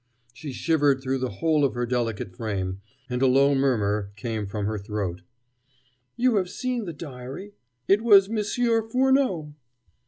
She shivered through the whole of her delicate frame, and a low murmur came from her throat: "You have seen the diary it was Monsieur Furneaux."